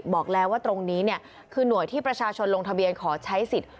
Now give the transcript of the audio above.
บอกแล้วว่าตรงนี้เนี่ยคือหน่วยที่ประชาชนลงทะเบียนขอใช้สิทธิ์